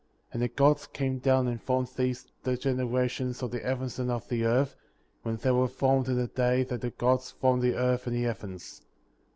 4. And the Gods came down and formed these the generations of the heavens and of the earth, when they were formed in the day that the Gods formed the earth and the heavens, 5.